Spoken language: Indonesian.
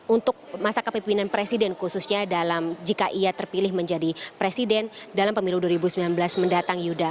untuk masa kepemimpinan presiden khususnya dalam jika ia terpilih menjadi presiden dalam pemilu dua ribu sembilan belas mendatang yuda